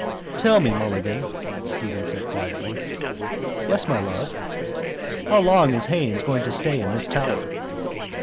—Tell me, Mulligan, Stephen said quietly. —Yes, my love? —How long is Haines going to stay in this tower?